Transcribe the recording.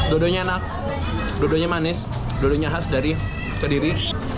dodonya enak dodonya manis dodonya khas dari kediri